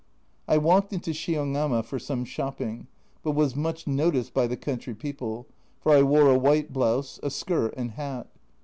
I walked into Shiogama for some shopping, but was much noticed by the country people, for I wore a white blouse, a skirt, and hat.